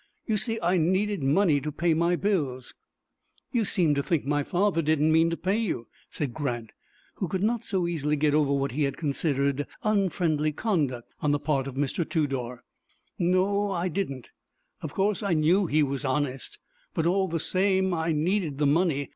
"You see, I needed money to pay my bills." "You seemed to think my father didn't mean to pay you," said Grant, who could not so easily get over what he had considered unfriendly conduct on the part of Mr. Tudor. "No, I didn't. Of course I knew he was honest, but all the same I needed the money.